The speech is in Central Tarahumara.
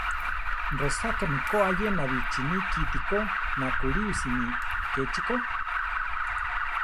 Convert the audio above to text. Rosakámi ko ayena bichíni kiti ko nakúliwisimi; kechi ko.